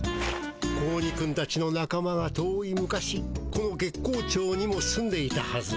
子鬼くんたちのなか間が遠い昔この月光町にも住んでいたはず。